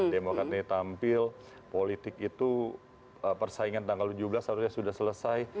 demokrat ini tampil politik itu persaingan tanggal tujuh belas harusnya sudah selesai